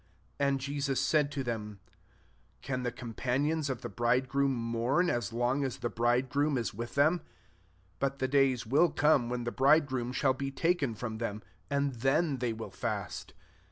15 And Jesus said to them, •' Can the companions of the bride groom mourn, as long as tne bridegroom is with them ? But the days will come when the bridegroom shall be taken from them; and then they will fast.